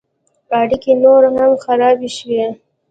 اړیکې نور هم خراب شوې.